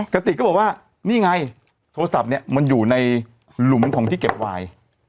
กระติกก็บอกว่านี่ไงโทรศัพท์เนี่ยมันอยู่ในหลุมของที่เก็บวาย